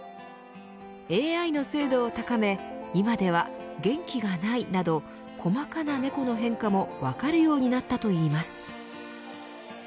ＡＩの精度を高め今では、元気がないなど細かなネコの変化も分かるようになったといいます。